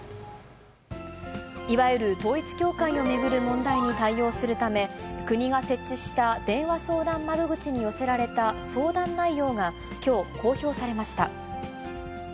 いわゆる統一教会を巡る問題に対応するため、国が設置した電話相談窓口に寄せられた相談内容が、きょう公表されました。